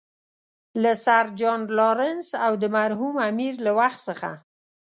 له سر جان لارنس او د مرحوم امیر له وخت څخه.